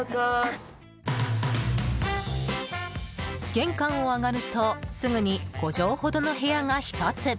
玄関を上がると、すぐに５畳ほどの部屋が１つ。